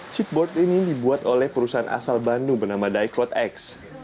chipboard ini dibuat oleh perusahaan asal bandung bernama dicodex